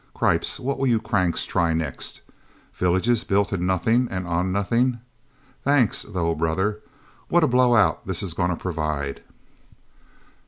Cripes, what will you cranks try next? Villages built in nothing and on nothing! Thanks, though. Brother, what a blowout this is gonna provide!"